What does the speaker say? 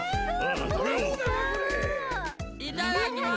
いただきます！